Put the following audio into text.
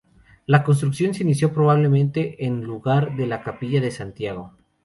La construcción se inició probablemente en lugar de la capilla de Santiago.